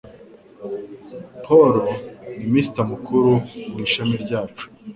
Paul ni Mister mukuru mu ishami ryacu